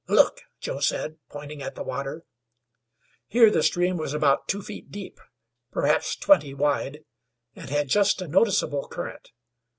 "Look!" Joe said, pointing at the water. Here the steam was about two feet deep, perhaps twenty wide, and had just a noticeable current.